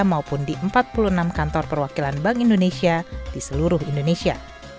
maupun di empat puluh enam kantor perwakilan bank indonesia di seluruh indonesia